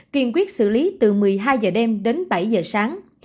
kiên quyết xử lý từ một mươi hai h đêm đến bảy h sáng